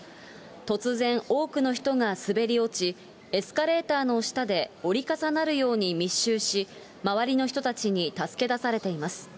突然、多くの人が滑り落ち、エスカレーターの下で折り重なるように密集し、周りの人たちに助けだされています。